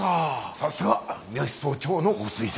さすが三芳総長のご推薦。